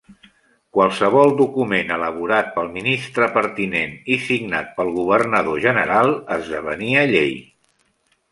Qualsevol document elaborat pel ministre pertinent i signat pel governador general esdevenia llei.